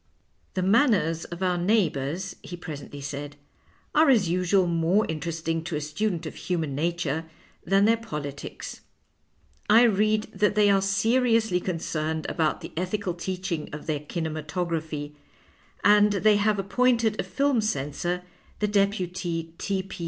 " The manners of our neighbours," he presently said, " are as usual more interesting to a student of human nature than their polities. I read that they are seriously concerned about the ethical teaching of their kinematogra}jiiy, and they have appointed a fihu censor, the deputy T. P.